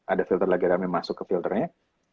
ada filter lagi rame masuk ke filternya